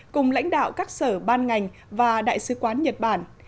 cùng lãnh đạo các sở ban ngành và đại sứ quán nhật bản